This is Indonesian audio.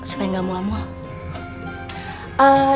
supaya gak mual mual